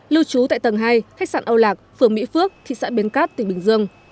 lưu trú tại tầng hai khách sạn âu lạc phường mỹ phước thị xã bến cát tỉnh bình dương